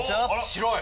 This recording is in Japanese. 白い。